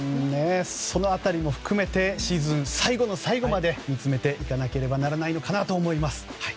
その辺りも含めてシーズン最後の最後まで見つめていなかければならないのかなと思います。